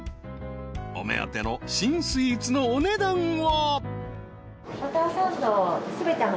［お目当ての新スイーツのお値段は］